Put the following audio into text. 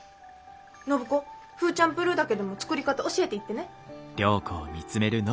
暢子フーチャンプルーだけでも作り方教えていってね。